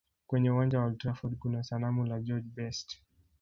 Kwenye uwanja wa old trafford kuna sanamu la george best